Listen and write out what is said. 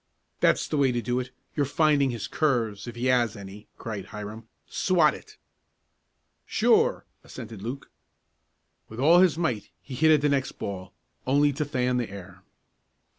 "That's the way to do it. You're finding his curves if he has any!" cried Hiram. "Swat it!" "Sure!" assented Luke. With all his might he hit at the next ball, only to fan the air.